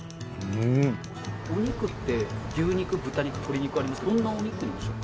お肉って牛肉豚肉鶏肉ありますけどどんなお肉でしょう？